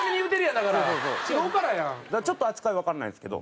だからちょっと扱いわかんないんですけど。